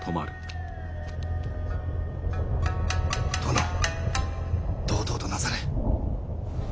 殿堂々となされ。